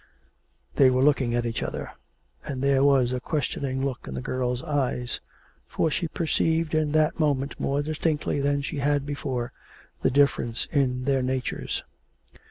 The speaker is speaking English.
They were looking at each other and there was a questioning look in the girl's eyes for she perceived in that moment more distinctly than she had before the difference in their natures.